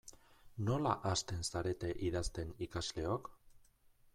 Nola hasten zarete idazten ikasleok?